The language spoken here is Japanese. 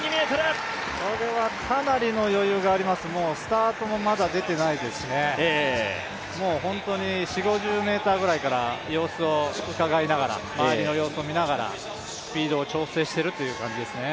これはかなりの余裕があります、スタートもまだ出てないですし、もう本当に４０５０ｍぐらいから周りの様子を見ながらスピードを調整している感じですね。